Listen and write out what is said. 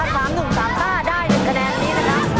ถ้า๓หนุ่ม๓๕ได้๑คะแนนนี้นะคะ